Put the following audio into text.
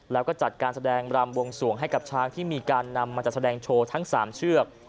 แล้วก็จัดการแสดงรำวงสวงให้กับช้างที่มีการนำมาจัดแสดงโชว์ทั้ง๓เชือก